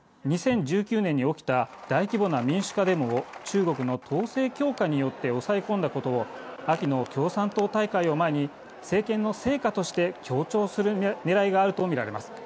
２０１９年に起きた大規模な民主化デモを中国の統制強化によって抑え込んだことを秋の共産党大会を前に政権の成果として強調する狙いがあるとみられます。